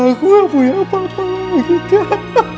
kak aku gak punya apa apa lagi kak